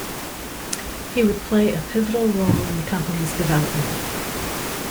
He would play a pivotal role in the company's development.